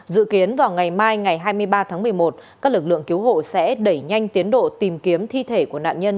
dự kiến vào ngày mai ngày hai mươi ba tháng một mươi một các lực lượng cứu hộ sẽ đẩy nhanh tiến độ tìm kiếm thi thể của nạn nhân